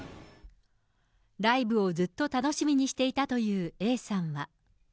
ライブをずっと楽しみにしていたというＡさんは。